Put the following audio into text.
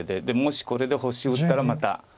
でもしこれで星打ったらまた。